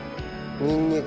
にんにく。